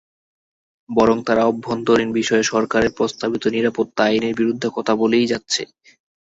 বরং তারা অভ্যন্তরীণ বিষয়ে সরকারের প্রস্তাবিত নিরাপত্তা আইনের বিরুদ্ধে কথা বলেই যাচ্ছে।